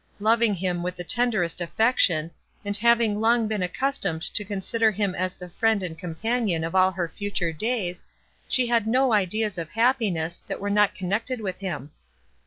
Loving him with the tenderest affection, and having long been accustomed to consider him as the friend and companion of all her future days, she had no ideas of happiness, that were not connected with him.